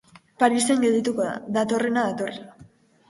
Parisen geldituko da, datorrena datorrela.